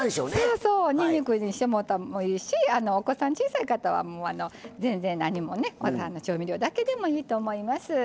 にんにくにしてもいいしお子さん、小さい方は全然、何も調味料だけでもいいと思います。